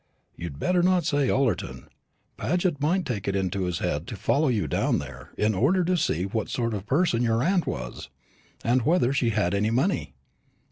"You'd better not say Ullerton; Paget might take it into his head to follow you down there in order to see what sort of person your aunt was, and whether she had any money.